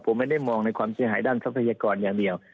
ผมไม่ได้มองในความเสียหายด้านทรัพยากรอย่างเดียว